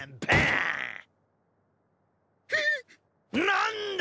何だ？